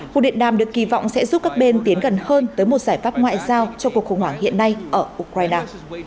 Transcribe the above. cuộc điện đàm được kỳ vọng sẽ giúp các bên tiến gần hơn tới một giải pháp ngoại giao cho cuộc khủng hoảng hiện nay ở ukraine